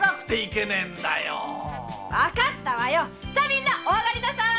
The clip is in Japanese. みんなおあがりなさい。